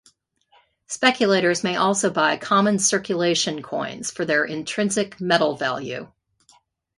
Speculators may also buy common circulation coins for their intrinsic metal value.